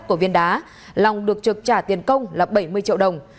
cơ quan công an xác định lê hoàng long được trực trả tiền công bảy mươi triệu đồng